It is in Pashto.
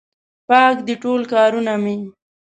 پاک دي ټول کارونه مې